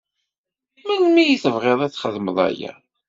Melmi i tebɣiḍ ad txedmeḍ aya?